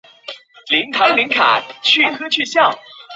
虽然最终结果会是正确的